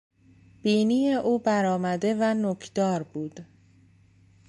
بینی او برآمده و نوکدار بود.